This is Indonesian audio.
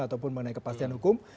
ataupun mengenai kepastian hukum